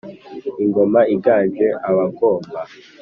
ingoma iganje abagome.